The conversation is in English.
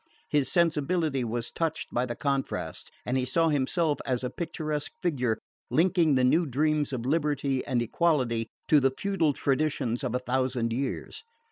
His sensibility was touched by the contrast, and he saw himself as a picturesque figure linking the new dreams of liberty and equality to the feudal traditions of a thousand years.